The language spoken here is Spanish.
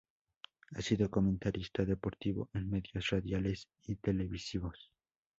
Ha sido comentarista deportivo en medios radiales y televisivos.